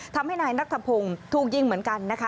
ทำให้นายนัทธพงศ์ถูกยิงเหมือนกันนะคะ